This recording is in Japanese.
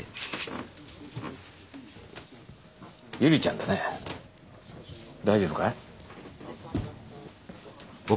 百合ちゃんだね大丈夫かい？